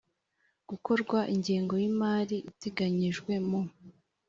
gukorwa ingengo y imali iteganyijwe mu